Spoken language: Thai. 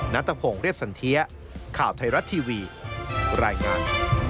นัทพงศ์เรียบสันเทียข่าวไทยรัฐทีวีรายงาน